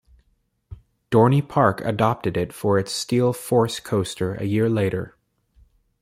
Dorney Park adopted it for its Steel Force coaster a year later.